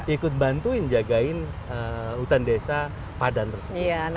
ikut bantuin jagain hutan desa padan tersebut